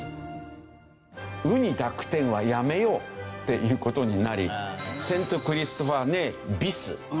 「ウ」に濁点はやめようっていう事になりセントクリストファー・ネービス。